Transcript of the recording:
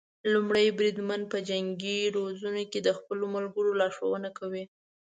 لومړی بریدمن په جنګي روزنو کې د خپلو ملګرو لارښونه کوي.